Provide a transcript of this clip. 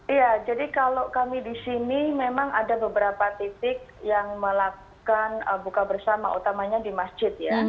iya jadi kalau kami di sini memang ada beberapa titik yang melakukan buka bersama utamanya di masjid ya